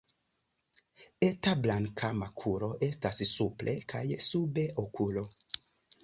Eta blanka makulo estas supre kaj sube okulo.